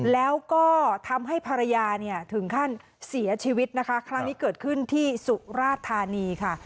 แล้วก็ทำให้ภรรยาเนี่ยถึงขั้นเสียชีวิตนะคะครั้งนี้เกิดขึ้นที่สุราธานีค่ะ